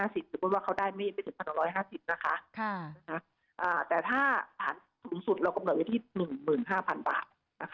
สมมุติว่าเขาได้ไม่ถึง๑๖๕๐นะคะแต่ถ้าสารสูงสุดเรากำหนดไว้ที่๑๕๐๐๐บาท